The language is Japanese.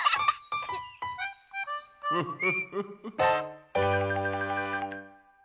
フフフフ。